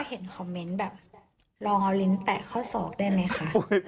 เห็นคอมเมนต์แบบลองเอาลิ้นแตะข้อศอกได้ไหมคะ